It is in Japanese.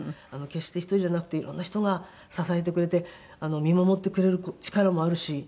決して１人じゃなくていろんな人が支えてくれて見守ってくれる力もあるし。